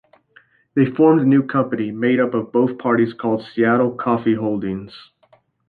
They formed a new company made up of both parties called Seattle Coffee Holdings.